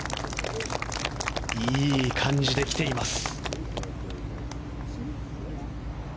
いい感じで来ています。